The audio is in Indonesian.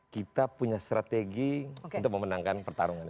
kita punya strategi untuk memenangkan pertarungan